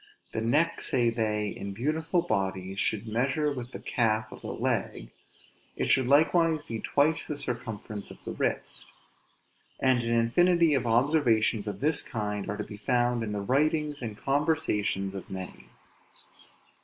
The neck, say they, in beautiful bodies, should measure with the calf of the leg; it should likewise be twice the circumference of the wrist. And an infinity of observations of this kind are to be found in the writings and conversations of many.